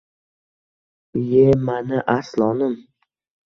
Iye mani arslonim